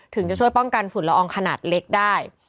ถึงจะช่วยป้องกันฝุ่นละอองขนาดเล็กได้